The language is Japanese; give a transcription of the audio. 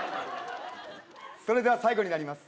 それでは最後になります